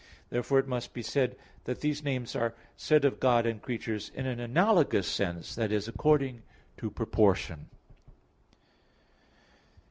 Therefore it must be said that these names are said of God and creatures in an analogous sense, i.e. according to proportion.